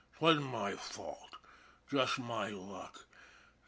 'Twasn't my fault. Jus' my luck.